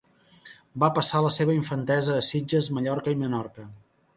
Va passar la seva infantesa a Sitges, Mallorca i Menorca.